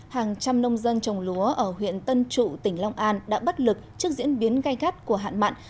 hàng trăm nông dân trồng lúa ở huyện tân trụ tỉnh long an đã bất lực trước diễn biến gai gắt của hạn mặn